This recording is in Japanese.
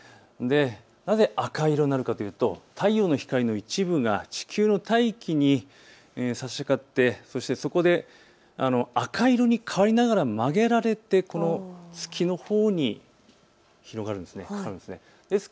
なぜ赤色になるかというと太陽の光の一部が地球の大気にさしかかってそこで赤色に変わりながら曲げられてこの月のほうに広がるんです。